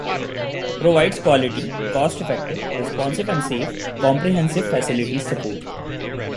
Provides quality, cost effective, responsive and safe, comprehensive facilities support.